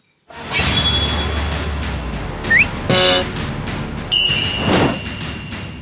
คุณปอย